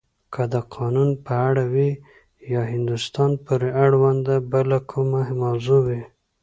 که د قانون په اړه وی یا هندوستان پورې اړونده بله کومه موضوع وی.